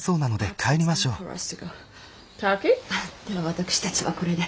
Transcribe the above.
Ｔａｋｉ？では私たちはこれで。